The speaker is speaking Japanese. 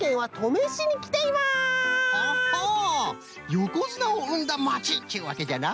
よこづなをうんだまちっちゅうわけじゃな！